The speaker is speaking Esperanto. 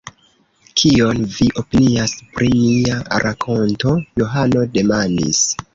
Kion vi opinias pri mia rakonto? Johano demandis.